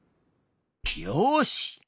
よし！